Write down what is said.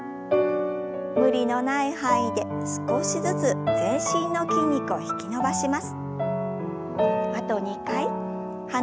無理のない範囲で少しずつ全身の筋肉を引き伸ばします。